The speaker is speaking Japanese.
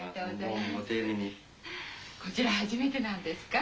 こちらはじめてなんですか？